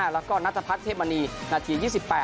แล้วก็นัทพัฒนเทพมณีนาที๒๘